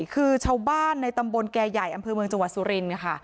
คือชาวบ้านในตำบลแก่ใหญ่อำเภอเมืองจังหวัดสุรินทร์ค่ะ